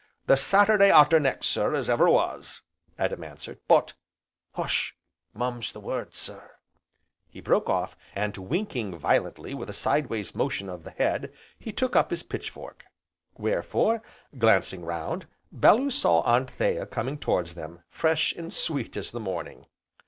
"The Saturday arter next, sir, as ever was," Adam answered. "But hush, mum's the word, sir!" he broke off, and winking violently with a side ways motion of the head, he took up his pitch fork. Wherefore, glancing round, Bellew saw Anthea coming towards them, fresh and sweet as the morning.